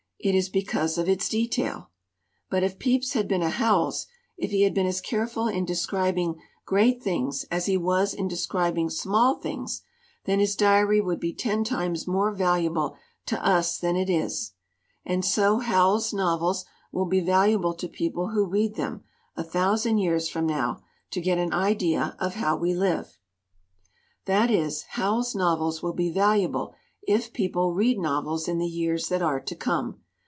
"It is because of its detail. "But if Pepys had been a Howells if he had been as careful in describing great things as he was in describing small things then his Diary would be ten times more valuable to us than it is. And so Howells's novels will be valuable to people who read them a thousand years from now to get an idea of how we live. "That is, Howells's novels will be valuable if people read novels in the years that are to come!